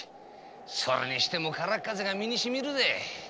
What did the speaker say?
それにしても空っ風が身に染みるぜ。